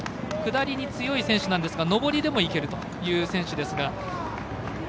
下りに強い選手なんですが上りでもいけるという選手です。